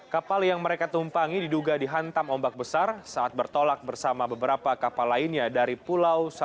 kapal yang mereka tumpangi diduga dihantam ombak besar saat bertolak bersama beberapa kapal lainnya dari pulau seribu